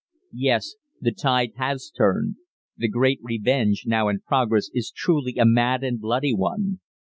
"Yes. The tide has turned. The great revenge now in progress is truly a mad and bloody one.